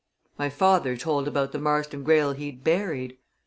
My father told about the Marston Greyle he'd buried.